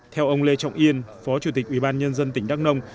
theo ông lê trọng yên phó chủ tịch ubnd tỉnh đắk nông